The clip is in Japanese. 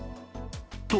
と